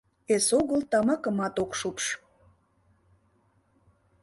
Эсогыл тамакымат ок шупш.